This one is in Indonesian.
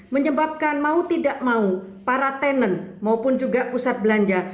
menyebabkan mau tidak mau para tenan maupun juga pusat belanja